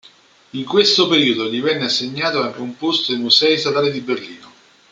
In questo periodo gli venne assegnato anche un posto ai musei statali di Berlino.